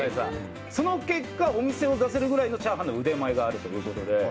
その結果、お店を出せるぐらいのチャーハンの腕前があるということで。